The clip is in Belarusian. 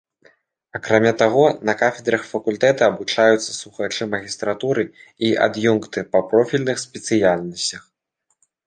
Акрамя таго, на кафедрах факультэта абучаюцца слухачы магістратуры і ад'юнкты па профільных спецыяльнасцях.